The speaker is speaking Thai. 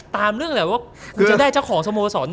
ตามเรื่องอะไรว่าคุณจะได้เจ้าของสโมสรใหม่เมื่อไหร่